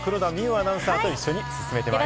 アナウンサーと一緒に進めてまいります。